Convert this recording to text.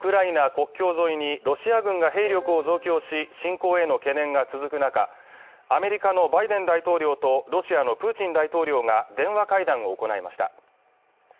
国境沿いにロシア軍が兵力を増強し侵攻への懸念が続く中、アメリカのバイデン大統領とロシアのプーチン大統領が電話会談を行いました。